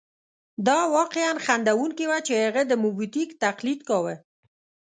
دا واقعاً خندوونکې وه چې هغه د موبوتیک تقلید کاوه.